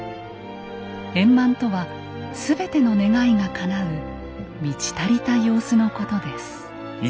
円満とは全ての願いがかなう満ち足りた様子のことです。